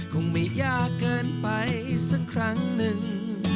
คงไม่ยากเกินไปสักครั้งหนึ่ง